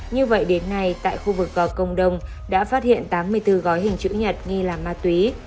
như vậy đến nay tại khu vực gò công đông đã phát hiện tám mươi bốn gói hình chữ nhật nghi là ma túy